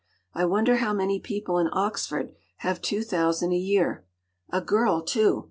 “I wonder how many people in Oxford have two thousand a year? A girl too.